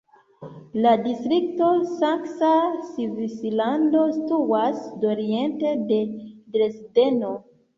La distrikto Saksa Svislando situas sudoriente de Dresdeno.